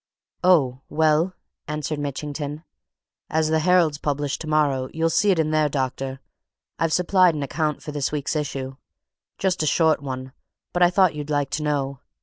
"Oh, well!" answered Mitchington. "As the Herald's published tomorrow you'll see it in there, doctor I've supplied an account for this week's issue; just a short one but I thought you'd like to know.